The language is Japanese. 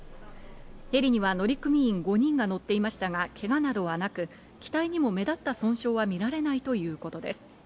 ヘリには乗組員５人が乗っていましたが、けがなどはなく、機体にも目立った損傷は見られないということです。